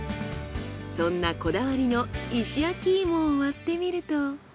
そんなこだわりの石焼き芋を割ってみると。